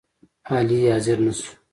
علي حاضر نشو